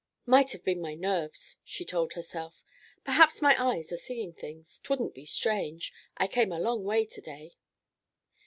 "Might have been my nerves," she told herself. "Perhaps my eyes are seeing things. T'wouldn't be strange. I came a long way to day."